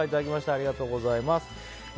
ありがとうございます。